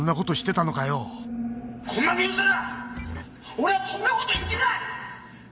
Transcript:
俺はこんなこと言ってない！